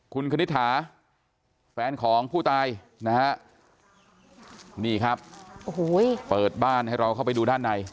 คุณคณิตหาแฟนของผู้ตายนะฮะนี่ครับโอ้โหเปิดบ้านให้เราเข้าไปดูด้านใน